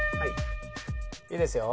いいですよ。